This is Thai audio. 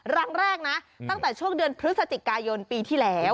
ครั้งแรกนะตั้งแต่ช่วงเดือนพฤศจิกายนปีที่แล้ว